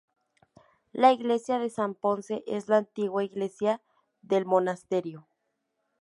La iglesia de San Ponce es la antigua iglesia del monasterio.